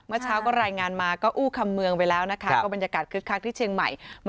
เมื่อเช้าก็รายงานมาก็อู้คำเมืองไปแล้วนะคะก็บรรยากาศคึกคักที่เชียงใหม่